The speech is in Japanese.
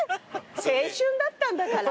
青春だったんだから。